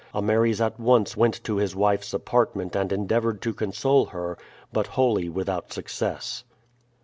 Ameres at once went to his wife's apartment and endeavored to console her, but wholly without success.